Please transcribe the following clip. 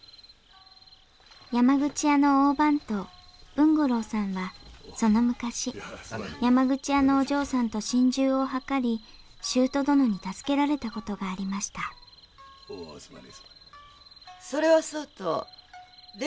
山口屋の大番頭文五郎さんはその昔山口屋のお嬢さんと心中を図り舅殿に助けられた事がありましたそれはそうと例の寮番のお話は？